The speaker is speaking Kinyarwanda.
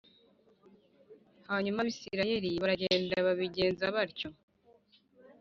Hanyuma abisirayeli baragenda babigenza batyo